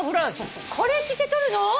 これ着て撮るの！？